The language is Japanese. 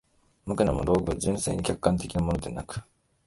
尤も、道具は純粋に客観的なものでなく、